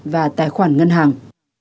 và tài khoản ngân hàng